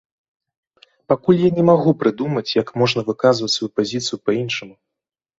Пакуль я не магу прыдумаць, як можна выказваць сваю пазіцыю па-іншаму.